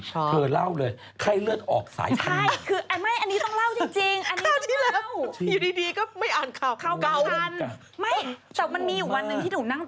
เธอเล่าเลยไข้เลือดออกสายตา